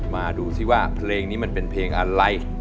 มาดูซิว่าเพลงนี้มันเป็นเพลงอะไร